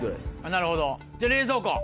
なるほどじゃあ冷蔵庫。